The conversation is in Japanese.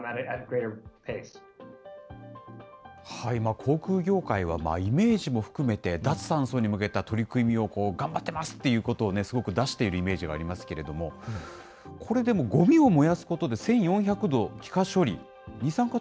航空業界は、イメージも含めて、脱炭素に向けた取り組みを、頑張ってますということを、すごく出しているイメージがありますけれども、これ、でも、ごみを燃やすことで１４００度気化処理。